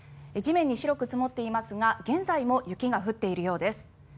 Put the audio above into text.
地面に白く積もっていますが現在も雪が降っているようです。